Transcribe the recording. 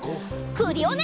クリオネ！